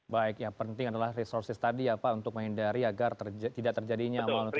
baik yang penting adalah resources tadi ya pak untuk menghindari agar tidak terjadinya moneter